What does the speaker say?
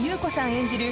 演じる